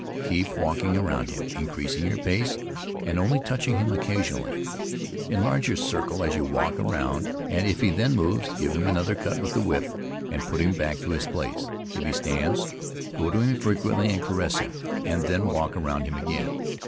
Keep walking around him, increasing your pace, and only touch him occasionally. Enlarge your circle as you walk around and if he then moves, give him another cut with the whip and put him back to his place. If he stands, go to him frequently and caress him, and then walk around him again.